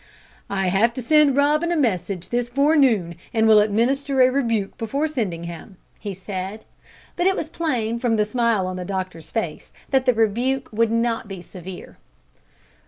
"I have to send Robin a message this forenoon, and will administer a rebuke before sending him," he said; but it was plain, from the smile on the doctor's face, that the rebuke would not be severe.